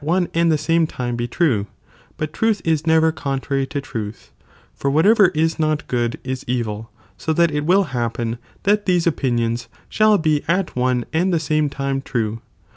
tion and nega and the Same time be true ; but truth is never '*®°' contrary to truth, for whatever is not good is evil, so that it will happen that these opinions, shall be at one and the same time, true.